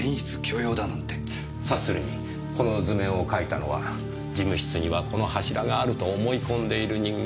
察するにこの図面を描いたのは事務室にはこの柱があると思い込んでいる人間